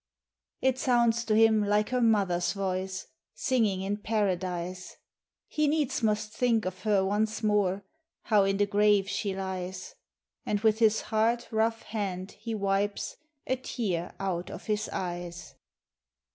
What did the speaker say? It sounds to him like her mother's voice, Singing in Paradise! He needs must think of her once more. How in the grave she lies; And with his hard, rough hand he wipes A tear out of his eyes.